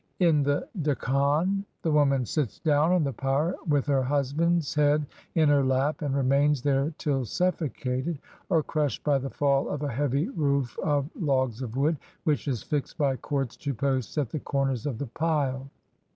In the Deckan, the woman sits down on the pyre, with her husband's head in her lap, and re mains there till suffocated, or crushed by the fall of a heavy roof of logs of wood, which is fixed by cords to posts at the corners of the pile.